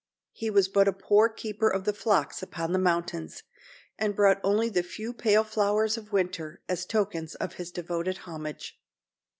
He was but a poor keeper of the flocks upon the mountains, and brought only the few pale flowers of winter, as tokens of his devoted homage.